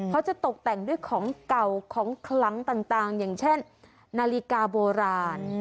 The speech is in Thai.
เขาจะตกแต่งด้วยของเก่าของคลังต่างอย่างเช่นนาฬิกาโบราณ